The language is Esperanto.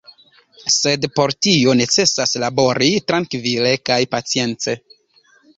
Sed por tio necesas labori, trankvile kaj pacience.